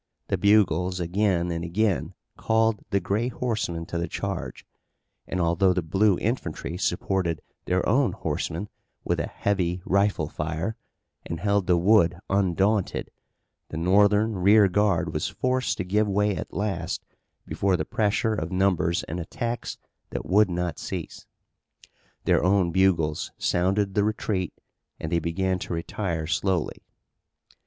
The bugles again and again called the gray horsemen to the charge, and although the blue infantry supported their own horsemen with a heavy rifle fire, and held the wood undaunted, the Northern rear guard was forced to give way at last before the pressure of numbers and attacks that would not cease. Their own bugles sounded the retreat and they began to retire slowly.